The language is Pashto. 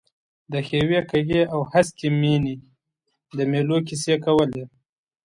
د ښیوې، کږې او هسکې مېنې د مېلو کیسې کولې.